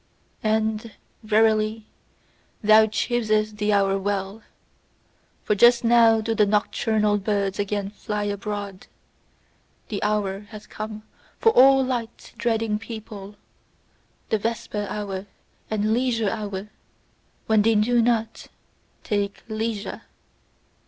And verily, thou choosest the hour well: for just now do the nocturnal birds again fly abroad. The hour hath come for all light dreading people, the vesper hour and leisure hour, when they do not "take leisure."